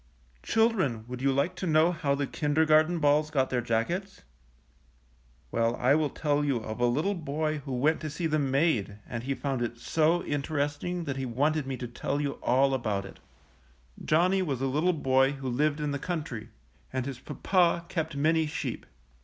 Children, would you like to know how the kindergarten balls got their jackets? Well, I will tell you of a little boy who went to see them made and he found it so in teresting that he wanted me to tell you all about it. Johnny was a little boy who lived in the country, and his papa kept many sheep.